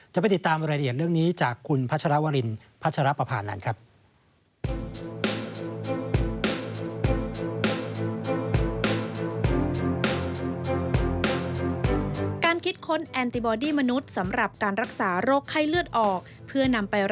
จะไปติดตามรายละเอียดเรื่องนี้จากคุณพัชรวรินพัชรปภานันทร์ครับ